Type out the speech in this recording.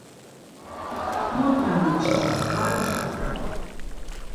Mod memoçkin, var mçodun.